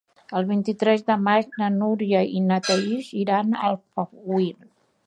El vint-i-tres de maig na Núria i na Thaís iran a Alfauir.